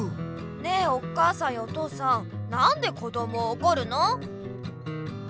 ねえお母さんやお父さんなんでこどもをおこるの？